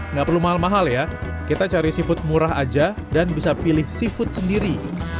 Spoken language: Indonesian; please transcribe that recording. nggak perlu mahal mahal ya kita cari seafood murah aja dan bisa pilih seafood sendiri